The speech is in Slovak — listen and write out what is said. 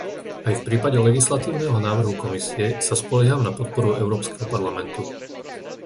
Aj v prípade legislatívneho návrhu Komisie sa spolieham na podporu Európskeho parlamentu.